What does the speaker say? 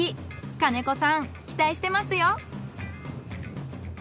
兼子さん期待してますよ。